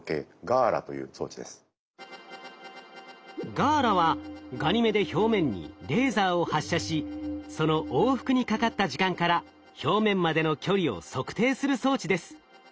ＧＡＬＡはガニメデ表面にレーザーを発射しその往復にかかった時間から表面までの距離を測定する装置です。